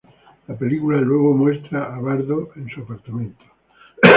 La película luego muestra a Bardo en su apartamento.